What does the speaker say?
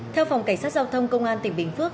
theo phòng cảnh sát giao thông công an tỉnh bình phước